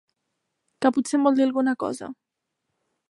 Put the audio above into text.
Que potser em vol dir alguna cosa?